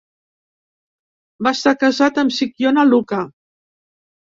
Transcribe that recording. Va estar casat amb Sikiona Luka.